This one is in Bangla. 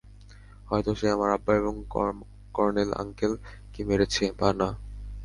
হয়তো সে আমার আব্বা এবং কর্নেল আঙ্কেল কে মেরেছে, বা না।